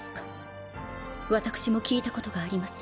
私も聞いたことがあります。